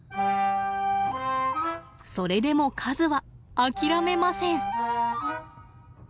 それでも和は諦めません。